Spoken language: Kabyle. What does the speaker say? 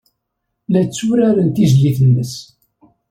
La d-tturaren tizlit-nnes.